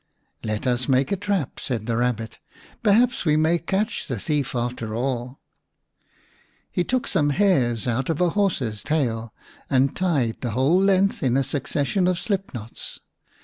"Let us make a trap," said the Kabbit. " Perhaps we may catch the thief after all." 44 v The Rabbit Prince He took some hairs out of a horse's tail and tied the whole length in a succession of slip knots.